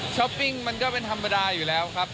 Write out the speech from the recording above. ปิ้งมันก็เป็นธรรมดาอยู่แล้วครับ